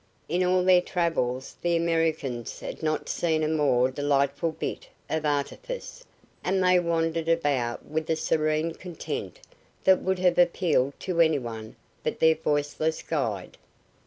In all their travels the Americans had not seen a more delightful bit of artifice, and they wandered about with a serene content that would have appealed to anyone but their voiceless guide.